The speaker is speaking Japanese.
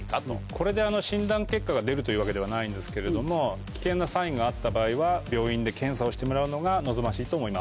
これで診断結果が出るというわけではないんですけれども危険なサインがあった場合は病院で検査をしてもらうのが望ましいと思います。